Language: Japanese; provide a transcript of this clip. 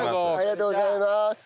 ありがとうございます！